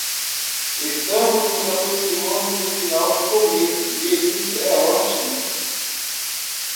Estamos nos aproximando do final do começo? e isso é ótimo!